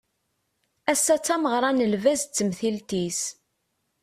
Ass-a d tameɣra n lbaz d temtilt-is.